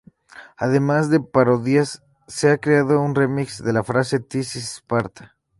Además de parodias, se ha creado un remix de la frase "This is Sparta!